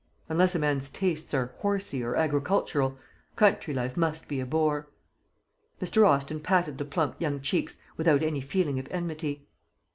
Unless a man's tastes are 'horsey' or agricultural, country life must be a bore." Mr. Austin patted the plump young cheeks without any feeling of enmity.